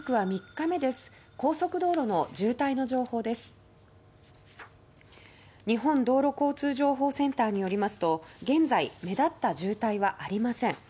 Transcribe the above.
日本道路交通情報センターによりますと現在、目立った渋滞はありません。